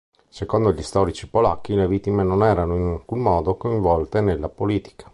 Secondo gli storici polacchi le vittime non erano in alcun modo coinvolte nella politica.